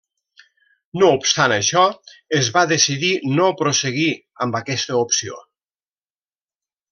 No obstant això es va decidir no prosseguir amb aquesta opció.